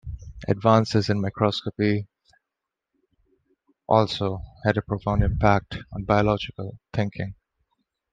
Advances in microscopy also had a profound impact on biological thinking.